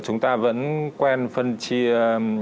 chúng ta vẫn quen phân chia